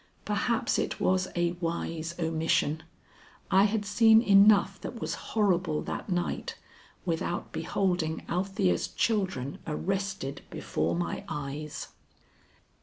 Perhaps it was a wise omission. I had seen enough that was horrible that night without beholding Althea's children arrested before my eyes.